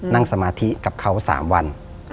นั่งสมาธิกับเขา๓วัน